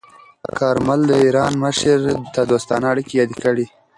کارمل د ایران مشر ته دوستانه اړیکې یادې کړې.